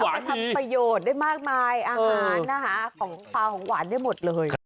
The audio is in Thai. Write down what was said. ทำประโยชน์ได้มากมายอาหารของความหวานได้หมดเลย